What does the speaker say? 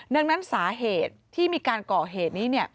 ดังนั้นสาเหตุที่มีการก่อเหตุนี้